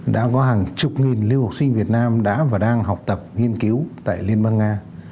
đã có hàng chục nghìn lưu học sinh việt nam đã và đang học tập nghiên cứu tại liên bang nga